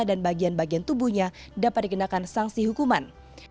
dan bagian bagian tubuhnya dapat dikenakan sanksi hukuman